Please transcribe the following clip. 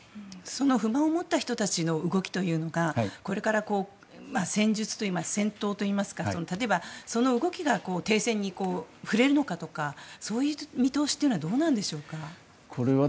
その不満を持った人たちの動きというのがこれから戦術、戦闘といいますか例えば、その動きが停戦に振れるのかとかそういう見通しはどうなんでしょう？